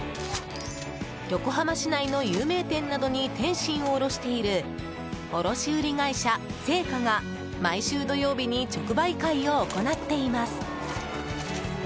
横浜市内の有名店などに点心を卸している卸売会社正華が毎週土曜日に直売会を行っています。